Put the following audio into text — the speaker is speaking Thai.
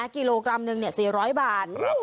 กิโลกรัมหนึ่ง๔๐๐บาท